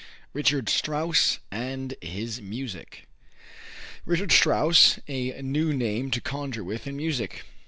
XII RICHARD STRAUSS AND HIS MUSIC Richard Strauss a new name to conjure with in music!